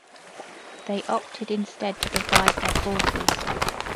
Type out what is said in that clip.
They opted instead to divide their forces.